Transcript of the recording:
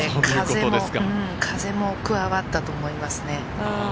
風も加わったと思いますね。